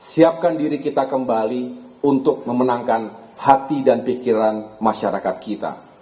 siapkan diri kita kembali untuk memenangkan hati dan pikiran masyarakat kita